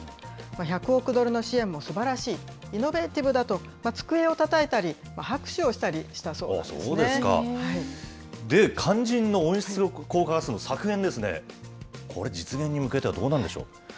１００億ドルの支援もすばらしい、イノベーティブだと机をたたいたり、肝心の温室効果ガスの削減ですね、これ、実現に向けてはどうなんでしょう。